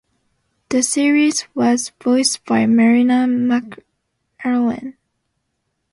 The series was voiced by Maria McErlane.